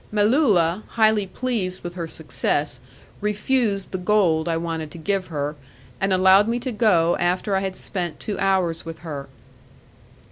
Melulla, highly pleased with her success, refused the gold I wanted to give her, and allowed me to go after I had spent two hours with her.